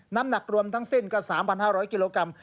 น้ำหนักรวมทั้งสิ้นก็๓๕๐๐กิโลกรัม